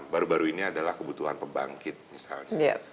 baru baru ini adalah kebutuhan pembangkit misalnya